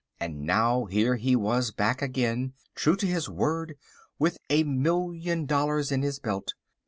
And now here he was back again, true to his word, with a million dollars in his belt.